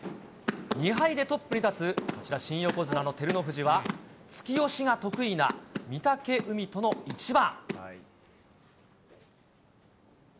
２敗でトップに立つこちら新横綱の照ノ富士は、突き押しが得意な御嶽海との一番。